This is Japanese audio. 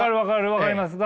分かります！